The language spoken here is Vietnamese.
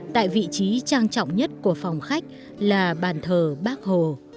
tại vị trí trang trọng nhất của phòng khách là bàn thờ bác hồ